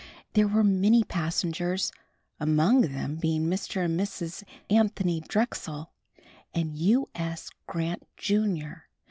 There were many passengers, among them being Mr. and Mrs. Anthony Drexel and U. S. Grant, Jr.